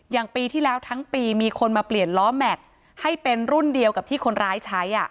ปีที่แล้วทั้งปีมีคนมาเปลี่ยนล้อแม็กซ์ให้เป็นรุ่นเดียวกับที่คนร้ายใช้